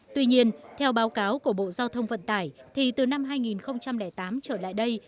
tuy nhiên theo báo cáo của bộ giao thông vận tải thì từ năm hai nghìn tám trở lại đây